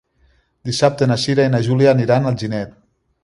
Dissabte na Cira i na Júlia aniran a Alginet.